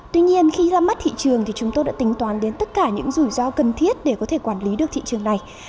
tuy nhiên khi ra mắt thị trường thì chúng tôi đã tính toán đến tất cả những rủi ro cần thiết để có thể quản lý được thị trường này